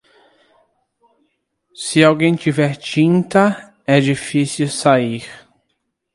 Se alguém tiver tinta, é difícil sair.